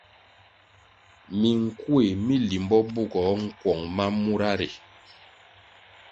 Minkuéh mi limbo bugoh nkuong ma mura ri.